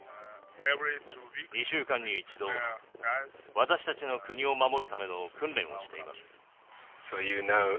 ２週間に１度、私たちの国を守るための訓練をしています。